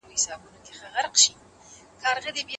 فیل جویس وویل دا الوتنه ځانګړی ارزښت لري.